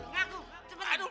ngaku cepetan tuh